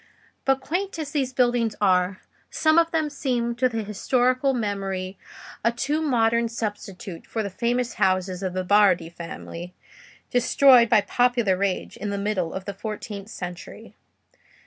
But quaint as these buildings are, some of them seem to the historical memory a too modern substitute for the famous houses of the Bardi family, destroyed by popular rage in the middle of the fourteenth century.